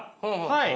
はい。